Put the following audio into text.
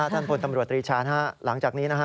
ท่านพลตำรวจตรีชาญหลังจากนี้นะฮะ